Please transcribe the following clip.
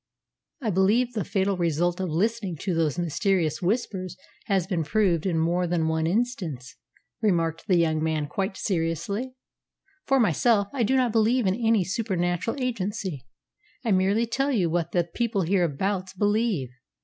"I believe the fatal result of listening to those mysterious Whispers has been proved in more than one instance," remarked the young man quite seriously. "For myself, I do not believe in any supernatural agency. I merely tell you what the people hereabouts believe.